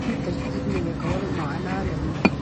دین تجدید نوي کولو معنا لري.